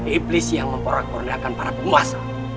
iblis yang memporak porandakan para penguasa